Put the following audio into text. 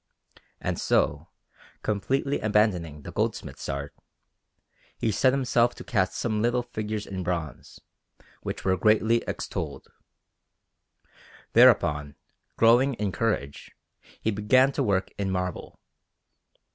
And so, completely abandoning the goldsmith's art, he set himself to cast some little figures in bronze, which were greatly extolled. Thereupon, growing in courage, he began to work in marble.